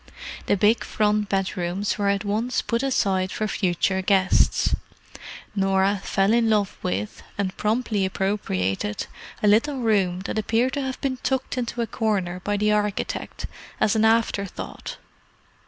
The big front bedrooms were at once put aside for future guests. Norah fell in love with, and promptly appropriated, a little room that appeared to have been tucked into a corner by the architect, as an afterthought.